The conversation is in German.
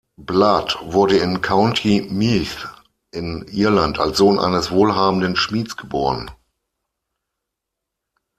Blood wurde in County Meath in Irland als Sohn eines wohlhabenden Schmieds geboren.